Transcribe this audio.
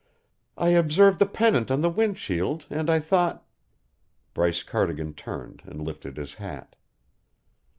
"I observed the pennant on the wind shield, and I thought " Bryce Cardigan turned and lifted his hat.